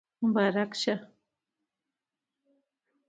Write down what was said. مبارک شه